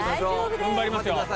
踏ん張りますよ。